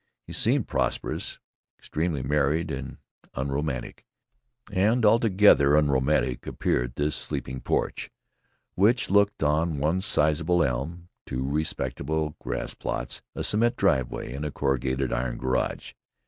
He seemed prosperous, extremely married and unromantic; and altogether unromantic appeared this sleeping porch, which looked on one sizable elm, two respectable grass plots, a cement driveway, and a corrugated iron garage.